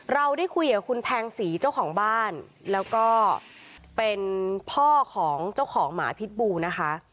เราได้คุยกับคุณแพงศรีเจ้าของบ้านแล้วก็เป็นพ่อของเจ้าของหมาพิษบูนะคะ